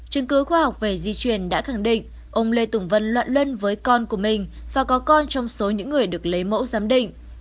chứng cứ khoa học về di truyền đã khẳng định ông lê tùng vân loạn luân với con của mình và có con trong số những người được lấy mẫu giám định